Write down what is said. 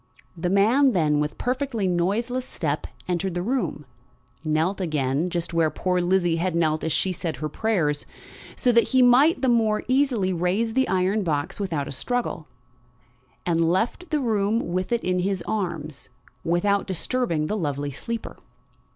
The man then with perfectly noiseless step entered the room, knelt again, just where poor Lizzie had knelt as she said her prayers, so that he might the more easily raise the iron box without a struggle, and left the room with it in his arms without disturbing the lovely sleeper.